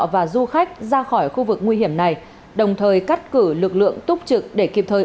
và du khách ra khỏi khu vực nguy hiểm này đồng thời cắt cử lực lượng túc trực để kịp thời